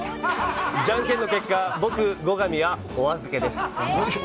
ジャンケンの結果、僕、後上は、お預けです。